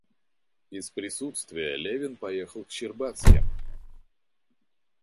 Из присутствия Левин поехал к Щербацким.